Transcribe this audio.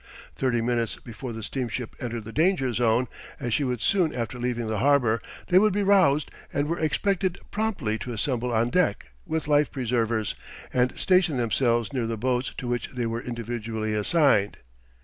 Thirty minutes before the steamship entered the danger zone (as she would soon after leaving the harbour) they would be roused and were expected promptly to assemble on deck, with life preservers, and station themselves near the boats to which they were individually assigned.